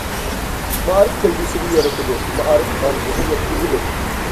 مائارىپ كەلگۈسىنى يارىتىدۇ، مائارىپ ئارزۇغا يەتكۈزىدۇ.